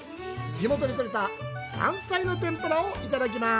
地元で採れた山菜の天ぷらをいただきます。